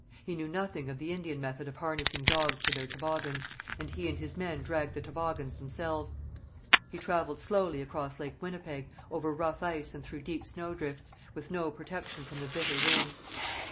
He knew nothing of the Indian method of harnessing dogs to their toboggans, and he and his men dragged the toboggans themselves. He travelled slowly across Lake Winnipeg, over rough ice and through deep snowdrifts, with no protection from the bitter winds.